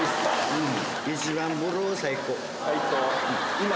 うん。